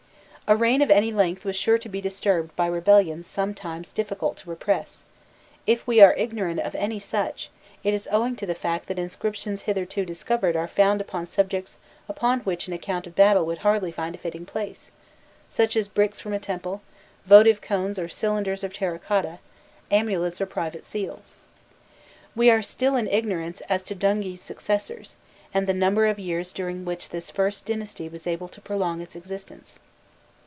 A reign of any length was sure to be disturbed by rebellions sometimes difficult to repress: if we are ignorant of any such, it is owing to the fact that inscriptions hitherto discovered are found upon objects upon which an account of a battle would hardly find a fitting place, such as bricks from a temple, votive cones or cylinders of terra cotta, amulets or private seals. We are still in ignorance as to Dungi's successors, and the number of years during which this first dynasty was able to prolong its existence.